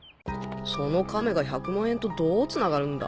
その亀が１００万円とどう繋がるんだ？